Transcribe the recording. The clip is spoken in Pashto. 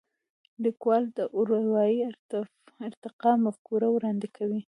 لیکوال د اروايي ارتقا مفکوره وړاندې کوي.